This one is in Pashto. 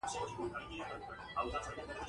جهان خان ماته خوړلي سیکهان تعقیب کړل.